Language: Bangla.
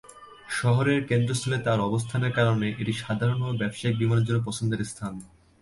শহরের কেন্দ্রস্থলে তার অবস্থানের কারণে এটি সাধারণ এবং ব্যবসায়িক বিমানের জন্য পছন্দের স্থান।